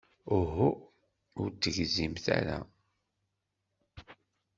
Uhu, ur tegzimt ara.